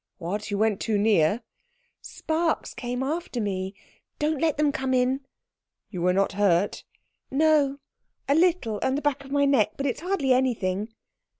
"What, you went too near?" "Sparks came after me. Don't let them come in " "You were not hurt?" "No. A little on the back of my neck, but it's hardly anything."